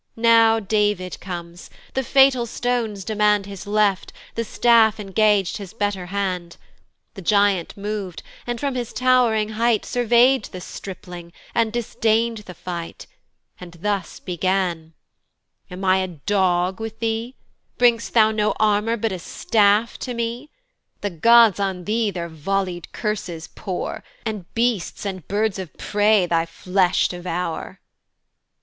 Now David comes: the fatal stones demand His left, the staff engag'd his better hand: The giant mov'd, and from his tow'ring height Survey'd the stripling, and disdain'd the fight, And thus began: "Am I a dog with thee? "Bring'st thou no armour, but a staff to me? "The gods on thee their vollied curses pour, "And beasts and birds of prey thy flesh devour."